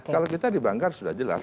kalau kita dibanggar sudah jelas